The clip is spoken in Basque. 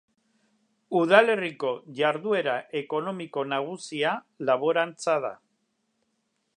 Udalerriko jarduera ekonomiko nagusia laborantza da.